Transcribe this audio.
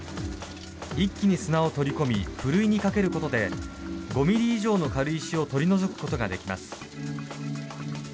一気に砂を取り込みふるいに掛けることで５ｍｍ以上の軽石を取り除くことができます。